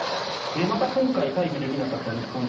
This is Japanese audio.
また、今回退避できなかった日本人